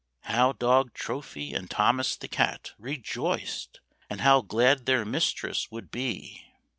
How dog Trophy, and Thomas the cat, rejoiced! And how glad their mistress would be!